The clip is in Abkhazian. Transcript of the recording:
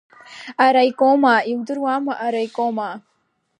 Араикомаа, иудыруама араикомаа?!